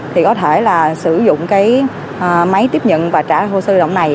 thì có thể là sử dụng cái máy tiếp nhận và trả hồ sơ lao động này